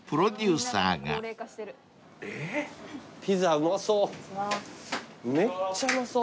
ピザうまそう。